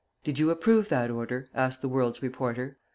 ] "'Did you approve that order?'" asked the "World's" reporter.